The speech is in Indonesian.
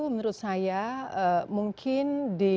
menurut saya mungkin